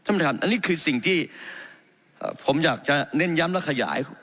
ท่านอันนี้คือสิ่งที่ผมอยากจะเน้นย้ำและขยาย